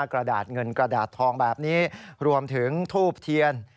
กระดาษเงินกระดาษทองแบบนี้รวมถึงทูบเทียน